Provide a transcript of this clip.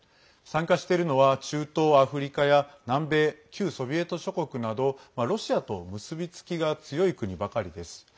参加しているのは中東アフリカや南米旧ソビエト諸国などロシアと結びつきが強い国ばかりです。